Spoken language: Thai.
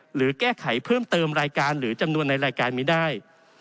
หรือแก้ไขเพิ่มเติมรายการหรือจำนวนในรายการไม่ได้